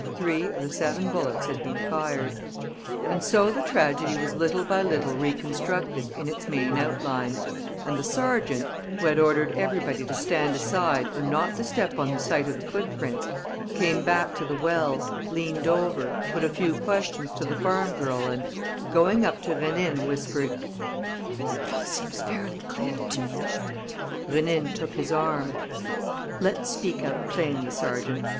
Three of the seven bullets had been fired. And so the tragedy was little by little reconstructed in its main outlines; and the sergeant, who had ordered everybody to stand aside and not to step on the site of the footprints, came back to the well, leant over, put a few questions to the farm girl and, going up to Rénine, whispered: "It all seems fairly clear to me." Rénine took his arm: "Let's speak out plainly, sergeant.